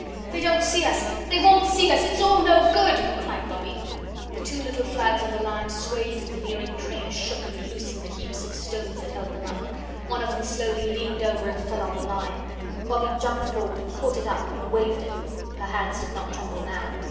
"They don't see us! They won't see us! It's all no good!" cried Bobbie. The two little flags on the line swayed as the nearing train shook and loosened the heaps of loose stones that held them up. One of them slowly leaned over and fell on the line. Bobbie jumped forward and caught it up, and waved it; her hands did not tremble now.